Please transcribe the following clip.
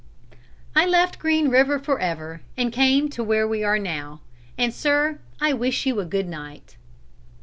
I left Green River for ever, and came to where we are now; and, sir, I wish you a good night."